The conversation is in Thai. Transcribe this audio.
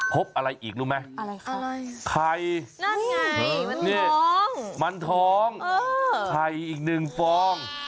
ใครอีกหนึ่งฟ้อง